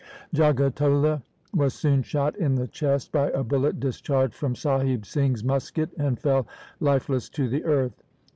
Jagatullah was soon shot in the chest by a bullet discharged from Sahib Singh's musket, and fell lifeless to the earth.